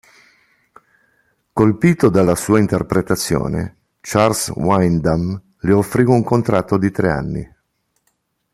Colpito dalla sua interpretazione, Charles Wyndham le offrì un contratto di tre anni.